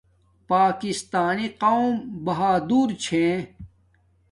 پاکسانی قوم بہادور چھے